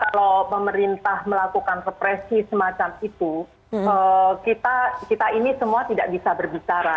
kalau pemerintah melakukan represi semacam itu kita ini semua tidak bisa berbicara